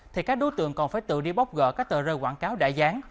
thì các đối tượng còn phải tự đi bóc gỡ các tờ rơi quảng cáo đã dán